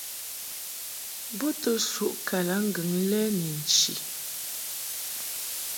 Bo to suʼ kalaŋŋgɨŋ kɛ ni nchi.